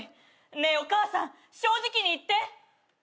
ねえお母さん正直に言って。